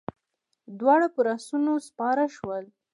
دواړه پر آسونو سپاره شول.